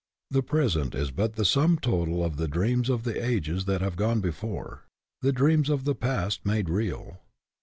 The present is but the sum total of the dreams of the ages that have gone before, the dreams of the past made real.